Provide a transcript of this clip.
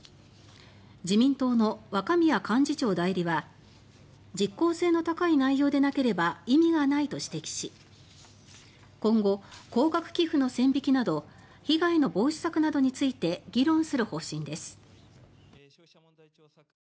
自民党の若宮幹事長代理は「実効性の高い内容でなければ意味がない」と指摘し今後高額寄付の線引きなど被害の防止策などについて議論する方針です。